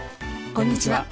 こんにちは。